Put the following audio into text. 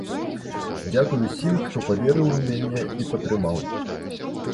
Дзякуй усім, хто паверыў у мяне і падтрымаў!